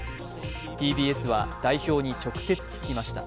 ＴＢＳは代表に直接聞きました。